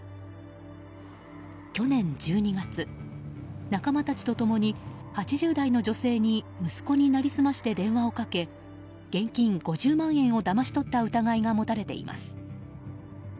去年１２月、仲間たちと共に８０代の女性に息子に成り済まして電話をかけ現金５０万円をだまし取った疑いが持たれています。